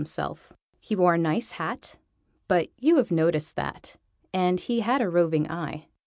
] He wore a nice hat but you have noticed that; and he had a roving eye.